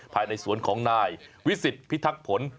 ภายในสวนของนายวิสิทธิพิทักษ์ผล